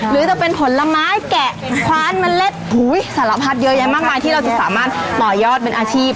หรือจะเป็นผลไม้แกะคว้านเมล็ดสารพัดเยอะแยะมากมายที่เราจะสามารถต่อยอดเป็นอาชีพ